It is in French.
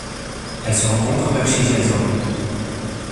Elle se rencontre vers Shijiazhuang.